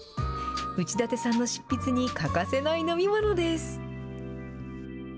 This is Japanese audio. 内館さんの執筆に欠かせない飲み物です。